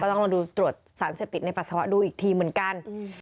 ต้องลองดูตรวจสารเสพติดในปัสสาวะดูอีกทีเหมือนกัน